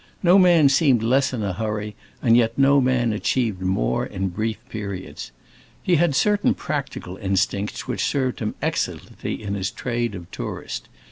No man seemed less in a hurry, and yet no man achieved more in brief periods. He had certain practical instincts which served him excellently in his trade of tourist.